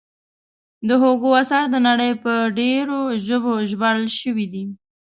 د هوګو اثار د نړۍ په ډېرو ژبو ژباړل شوي دي.